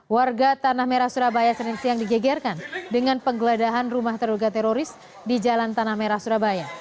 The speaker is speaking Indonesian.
warga tanah merah surabaya senin siang digegerkan dengan penggeledahan rumah terduga teroris di jalan tanah merah surabaya